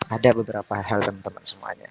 ada beberapa hal teman teman semuanya